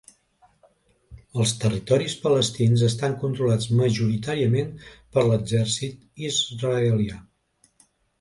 Els territoris palestins estan controlats majoritàriament per l'exèrcit israelià.